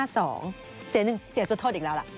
เสีย๑เสียจดโทษอีกแล้วล่ะ